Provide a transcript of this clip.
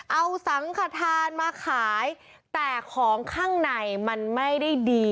เอาสังขทานมาขายแต่ของข้างในมันไม่ได้ดี